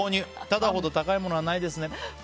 タダほど高いものはないですね。